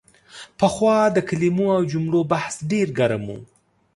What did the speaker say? پخوا د کلمو او جملو بحث ډېر ګرم و.